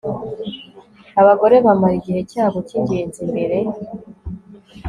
Abagore bamara igihe cyabo cyingenzi imbere